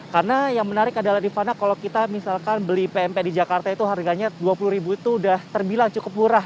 karena yang menarik adalah rifana kalau kita misalkan beli pmp di jakarta itu harganya dua puluh ribu itu sudah terbilang cukup murah